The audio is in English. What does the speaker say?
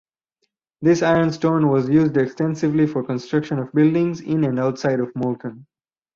This ironstone was used extensively for construction of buildings in and outside of Moulton.